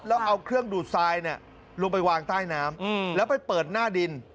แล้วเอาเครื่องดูดทรายลงไปวางใต้น้ำแล้วไปเปิดหน้าดิน